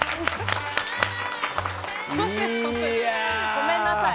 ごめんなさい。